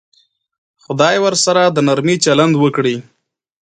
خدای ورسره د نرمي چلند وکړي.